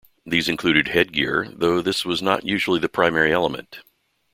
These included headgear, though this was not usually the primary element.